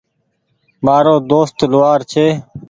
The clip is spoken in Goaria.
مآرو دوست لوهآر ڇي۔